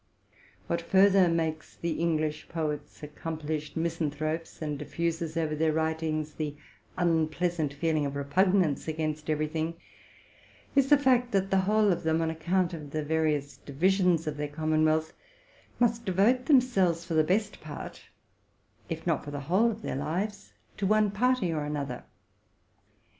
What further makes the English poets thorough misan thropes, and diffuses over their writings the unpleasant feeling of repugnance against every thing, is the fact, that the whole of them, on account of the various divisions of their com monwealth, must devote themselves for the best part, if not for the whole, of their lives to one party or another.